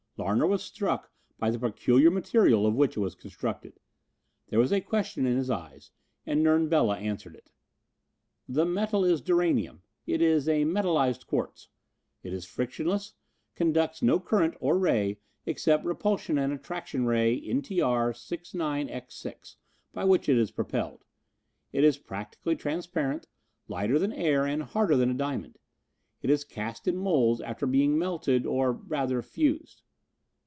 Larner was struck by the peculiar material of which it was constructed. There was a question in his eyes, and Nern Bela answered it: "The metal is duranium; it is metalized quartz. It is frictionless, conducts no current or ray except repulsion and attraction ray NTR69X6 by which it is propelled. It is practically transparent, lighter than air and harder than a diamond. It is cast in moulds after being melted or, rather, fused.